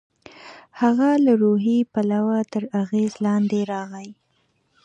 هغه له روحي پلوه تر اغېز لاندې راغی.